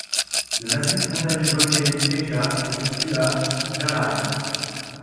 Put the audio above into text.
Le massif montagneux volcanique Esja se situe à Kjalarnes.